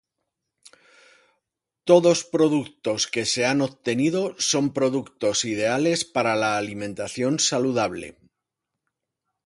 Todos productos que se han obtenido son productos ideales para la alimentación saludable.